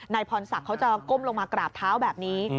พรศักดิ์เขาจะก้มลงมากราบเท้าแบบนี้